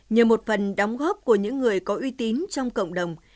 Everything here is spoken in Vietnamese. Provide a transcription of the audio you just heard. nhờ một phần đóng góp của những người có uy tín trong cộng đồng